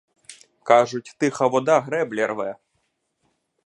Кажуть — тиха вода греблі рве.